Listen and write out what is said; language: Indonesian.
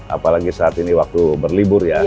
apalagi saat ini waktu berlibur ya